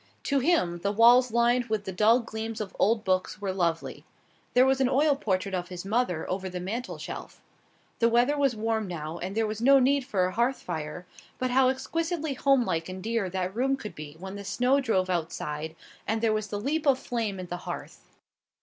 To him the walls lined with the dull gleams of old books were lovely. There was an oil portrait of his mother over the mantel shelf. The weather was warm now, and there was no need for a hearth fire, but how exquisitely home like and dear that room could be when the snow drove outside and there was the leap of flame on the hearth!